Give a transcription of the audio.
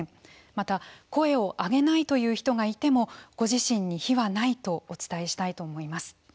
また、声をあげないという人がいてもご自身に非はないとお伝えしたいと思います。